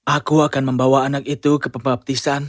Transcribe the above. aku akan membawa anak itu ke pembaptisan